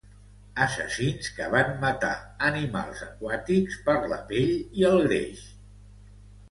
Assassins que van matar animals aquàtics per la pell i el greix.